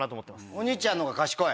お兄ちゃんのが賢い？